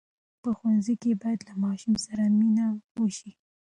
په ښوونځي کې باید له ماشوم سره مینه وسي.